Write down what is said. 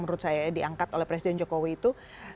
menurut saya diangkat oleh presiden jokowi itu